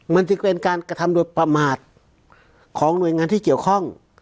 มันจึงเป็นการกระทำโดยประมาทของหน่วยงานที่เกี่ยวข้อง